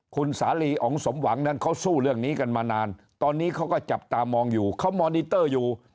คุณสาลีอ๋องสมหวังนั้นเขาสู้เรื่องนี้กันมานานตอนนี้เขาก็จับตามองอยู่เขามอนิเตอร์อยู่